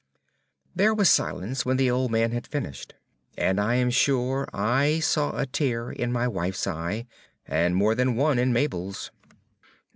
There was silence when the old man had finished, and I am sure I saw a tear in my wife's eye, and more than one in Mabel's.